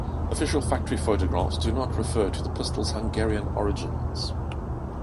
Official factory photographs do not refer to the pistol's Hungarian origins.